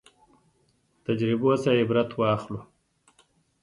تجربو نه عبرت واخلو